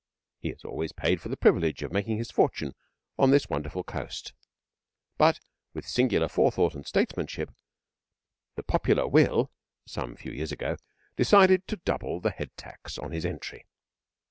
He has always paid for the privilege of making his fortune on this wonderful coast, but with singular forethought and statesmanship, the popular Will, some few years ago, decided to double the head tax on his entry.